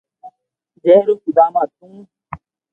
جي رو سودھا ما ھتو